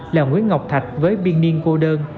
là nguyễn ngọc thạch với biên niên cô đơn